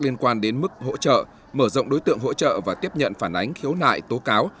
liên quan đến mức hỗ trợ mở rộng đối tượng hỗ trợ và tiếp nhận phản ánh khiếu nại tố cáo